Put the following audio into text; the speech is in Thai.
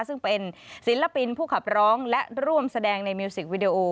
ซึ่งเป็นศิลปินผู้ขับร้องและร่วมแสดงในมิวสิกวิดีโอ